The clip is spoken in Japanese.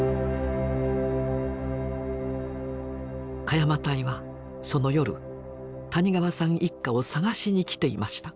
鹿山隊はその夜谷川さん一家を捜しにきていました。